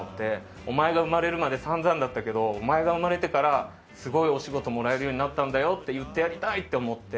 お前が生まれるまでさんざんだったけどお前が生まれてからすごくお仕事もらえるようになったんだよって言ってやりたいって思って。